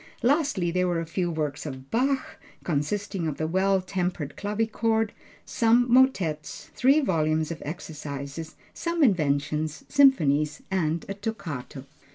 Lastly there were a few works of Bach, consisting of the Well tempered Clavichord, some motets, three volumes of exercises, some inventions, symphonies and a toccato.